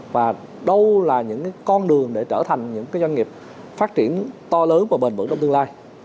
và đâu là những con đường để trở thành những doanh nghiệp phát triển to lớn và bền vững trong tương lai